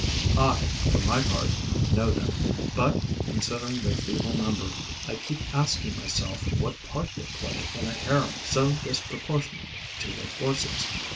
I, for my part, know them; but, considering their feeble number, I keep asking myself what part they play in a harem so disproportionate to their forces.